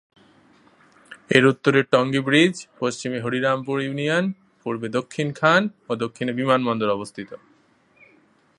এর উত্তরে টঙ্গী ব্রীজ, পশ্চিমে হরিরামপুর ইউনিয়ন, পূর্বে দক্ষিণ খান ও দক্ষিণে বিমানবন্দর অবস্থিত।